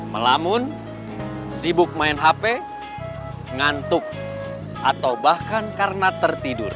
melamun sibuk main hp ngantuk atau bahkan karena tertidur